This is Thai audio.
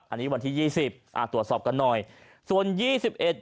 อันนี้วันที่ยี่สิบอ่าตรวจสอบกันหน่อยส่วนยี่สิบเอ็ด